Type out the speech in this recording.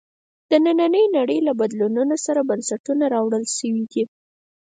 د نننۍ نړۍ له بدلونونو سره بنسټونه راولاړ شوي دي.